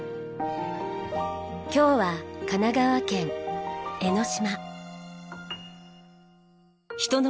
今日は神奈川県江の島。